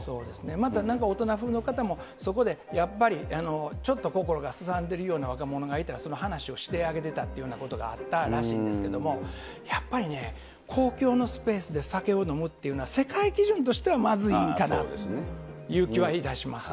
また、なんかの方も、そこでやっぱり、ちょっと心がすさんでるような若者がいたら話をしてあげてたというようなことがあったらしいんですけども、やっぱりね、公共のスペースで酒を飲むっていうのは、世界基準としてはまずいんかなという気はいたします。